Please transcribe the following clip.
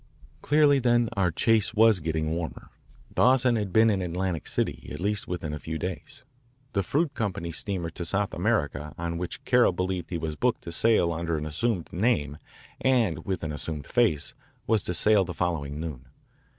Clearly, then, our chase was getting warmer. Dawson had been in Atlantic City at least within a few days. The fruit company steamer to South America on which Carroll believed he was booked to sail under an assumed name and with an assumed face was to sail the following noon.